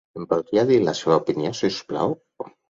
Em podria dir la seva opinió, si us plau?